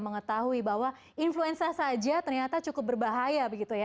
mengetahui bahwa influenza saja ternyata cukup berbahaya